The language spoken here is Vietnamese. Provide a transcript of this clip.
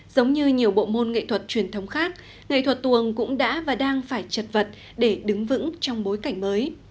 giống như nhiều bộ môn nghệ thuật truyền thống khác nghệ thuật tuồng cũng đã và đang phải chật vật để đứng vững trong bối cảnh mới